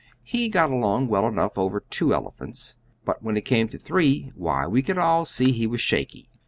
He got along well enough over two elephants, but when it came to three, why, we could all see he was shaky.